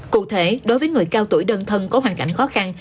cụ thể đối với người cao tuổi đơn thân có hoàn cảnh khó khăn